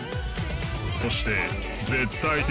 そして絶対的